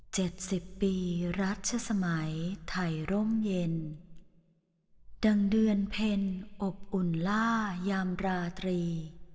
สิบปีรัชสมัยไทยร่มเย็นดังเดือนเพ็ญอบอุ่นล่ายามราตรี